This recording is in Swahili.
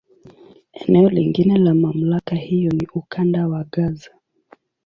Eneo lingine la MamlakA hiyo ni Ukanda wa Gaza.